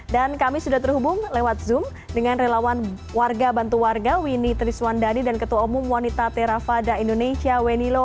dan kami sudah terhubung lewat zoom dengan relawan warga bantu warga winnie triswandani dan ketua umum wanita terafada indonesia wenny lo